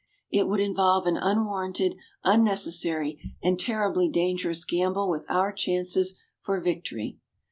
It would involve an unwarranted, unnecessary and terribly dangerous gamble with our chances for victory.